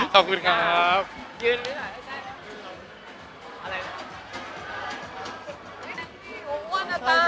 ขอบคุณค่ะ